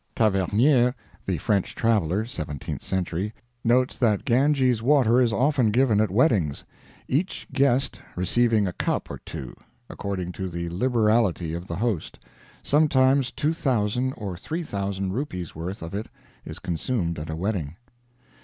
Tavernier, the French traveler (17th century), notes that Ganges water is often given at weddings, "each guest receiving a cup or two, according to the liberality of the host; sometimes 2,000 or 3,000 rupees' worth of it is consumed at a wedding."